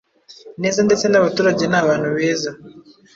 neza ndetse n’abaturage ni abantu beza.”